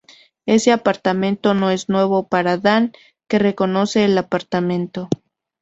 Ese apartamento no es nuevo para Dan, que reconoce el apartamento.